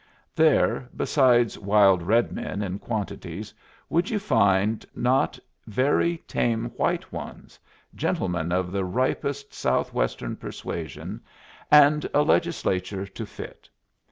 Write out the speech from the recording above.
There, besides wild red men in quantities, would you find not very tame white ones, gentlemen of the ripest Southwestern persuasion, and a Legislature to fit.